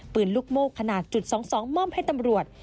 ปืนลูกโม้ขนาดจุดสองสองม่อมให้ตำรวจ